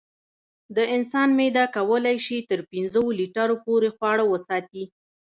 د انسان معده کولی شي تر پنځو لیټرو پورې خواړه وساتي.